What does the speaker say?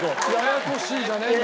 「ややこしい」じゃねえんだよ。